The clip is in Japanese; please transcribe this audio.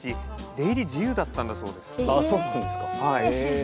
出入り自由だったんだそうです。